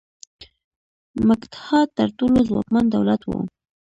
مګدها تر ټولو ځواکمن دولت و.